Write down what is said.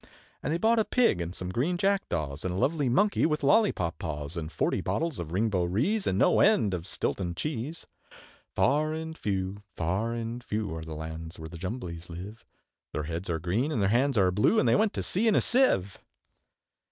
And they bought a Pig, and some green Jack daws, And a lovely Monkey with lollipop paws, And forty bottles of Ring Bo Ree, And no end of Stilton Cheese. Far and few, far and few, Are the lands where the Jumblies live; Their heads are green, and their hands are blue, And they went to sea in a Sieve.